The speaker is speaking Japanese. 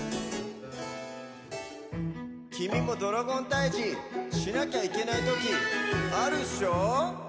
きみもドラゴンたいじしなゃきゃいけないときあるっしょ？